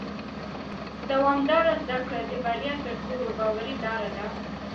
دوامداره زده کړه د بریا تر ټولو باوري لاره ده